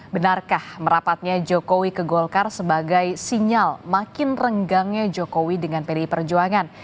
benarkah merapatnya jokowi ke golkar sebagai sinyal makin renggangnya jokowi dengan pdi perjuangan